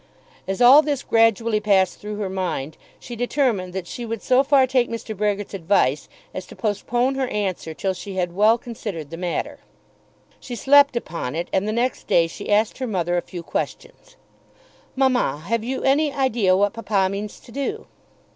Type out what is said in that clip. As all this gradually passed through her mind, she determined that she would so far take Mr. Brehgert's advice as to postpone her answer till she had well considered the matter. She slept upon it, and the next day she asked her mother a few questions. "Mamma, have you any idea what papa means to do?"